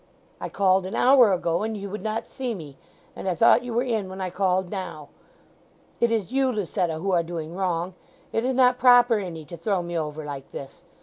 "I called an hour ago, and you would not see me, and I thought you were in when I called now. It is you, Lucetta, who are doing wrong. It is not proper in 'ee to throw me over like this.